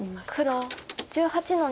黒１８の二。